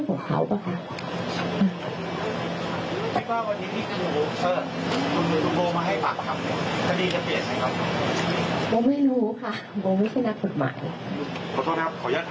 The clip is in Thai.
ก็เรื่องของเขาป่ะค่ะ